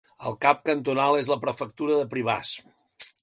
El cap cantonal és la prefectura de Privàs.